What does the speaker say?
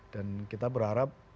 dan kita berharap